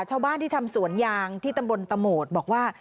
ชาวบ้านที่ทำสวนยางที่ตำบลตะโหมดบอกว่า